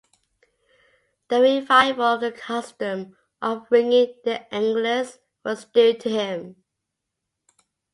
The revival of the custom of ringing the "Angelus" was due to him.